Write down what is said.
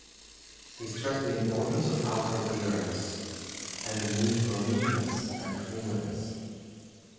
He stressed the importance of outer appearance and the need for neatness and cleanliness.